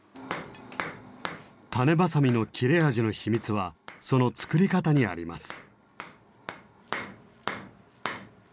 種子鋏の切れ味の秘密はその作り方にあります。